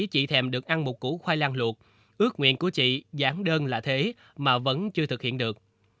chị thèm được ăn một củ khoai lang luộc ước nguyện của chị giảng đơn là thế mà vẫn chưa thực hiện được